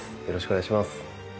よろしくお願いします